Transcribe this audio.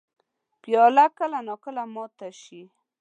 پیاله کله نا کله ماته شي.